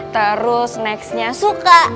terus nextnya suka